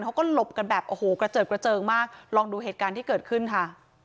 เขาก็หลบกันแบบโอ้โหกระเจิดกระเจิงมากลองดูเหตุการณ์ที่เกิดขึ้นค่ะ